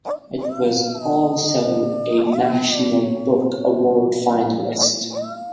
It was also a National Book Award finalist.